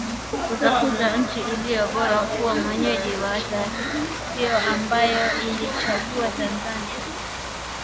Kutafuta nchi iliyo bora kuwa mwenyeji wa taasisi hiyo, ambayo iliichagua Tanzania .